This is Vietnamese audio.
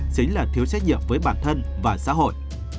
chính là thiếu trách nhiệm với bản thân và xã hội